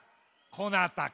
こなたか。